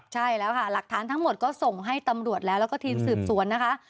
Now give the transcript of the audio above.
ใช่แล้วค่ะหลักฐานทั้งหมดก็ส่งให้ตำรวจแล้วแล้วก็ทีมสืบสวนนะคะ